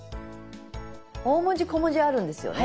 大文字小文字あるんですよね。